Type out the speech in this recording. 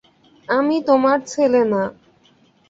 আমি তোমার ছেলে না।